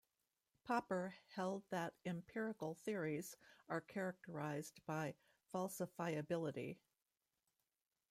Popper held that empirical theories are characterized by falsifiability.